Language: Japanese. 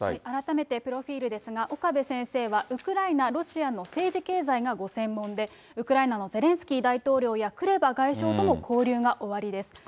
改めてプロフィールですが、岡部先生はウクライナ、ロシアの政治経済がご専門で、ウクライナのゼレンスキー大統領や、クレバ外相とも交流がおありです。